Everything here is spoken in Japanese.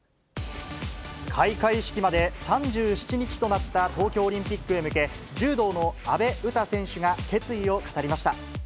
開会式まで３７日となった東京オリンピックへ向け、柔道の阿部詩選手が決意を語りました。